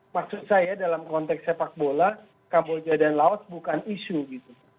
maksud saya dalam konteks sepak bola kamboja dan laos bukan isu gitu